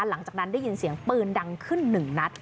หลังจากนั้นได้ยินเสียงปืนดังขึ้นหนึ่งนัด